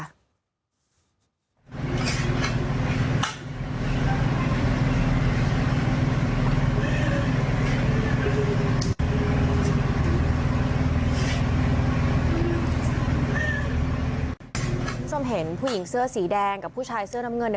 คุณผู้ชมเห็นผู้หญิงเสื้อสีแดงกับผู้ชายเสื้อน้ำเงินเนี่ย